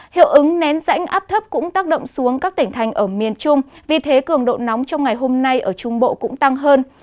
hiệu ứng nén rãnh áp thấp cũng tác động xuống các tỉnh thành ở miền trung vì thế cường độ nóng trong ngày hôm nay ở trung bộ cũng tăng hơn